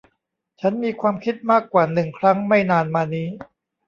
ฉันมีความคิดมากกว่าหนึ่งครั้งไม่นานมานี้